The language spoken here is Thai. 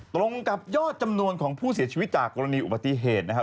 ตรงกับยอดจำนวนของผู้เสียชีวิตจากกรณีอุบัติเหตุนะครับ